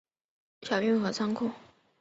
小樽运河和仓库